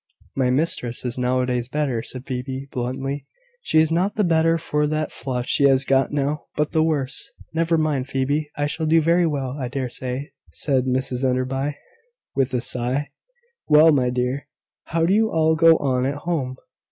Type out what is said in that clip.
"My mistress is noways better," said Phoebe, bluntly. "She is not the better for that flush she has got now, but the worse." "Never mind, Phoebe! I shall do very well, I dare say," said Mrs Enderby, with a sigh. "Well, my dear, how do you all go on at home?"